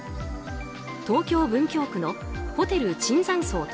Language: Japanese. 東京・文京区のホテル椿山荘